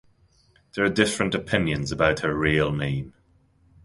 There are different opinions about her real name.